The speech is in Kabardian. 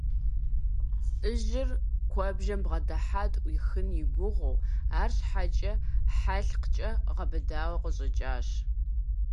ЛӀыжьыр куэбжэм бгъэдыхьат Ӏуихын и гугъэу, арщхьэкӀэ хьэлъкъкӀэ гъэбыдауэ къыщӀэкӀащ.